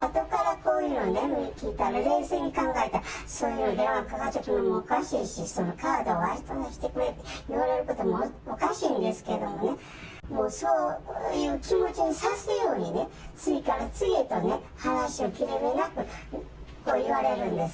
あとからこういうの聞いたら、冷静に考えたら、そういう電話かかってくるのおかしいし、カードを渡してくれって言われることもおかしいんですけどもね、もう、そういう気持ちにさすようにね、次から次へとね、話を切れ目なく言われるんです。